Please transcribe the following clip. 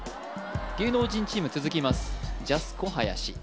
芸能人チーム続きますジャスコ林